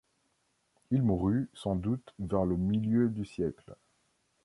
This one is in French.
Il mourut sans doute vers le milieu du siècle.